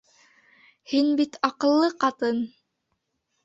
Һин бит аҡыллы ҡатын.